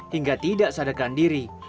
hingga tidak sadarkan diri